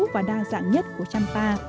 và đa dạng nhất của trăm pa